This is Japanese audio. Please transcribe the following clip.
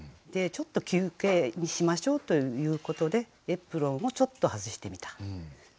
ちょっと休憩にしましょうということでエプロンをちょっと外してみた。